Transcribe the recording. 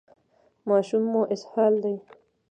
ماشوم مو اسهال دی؟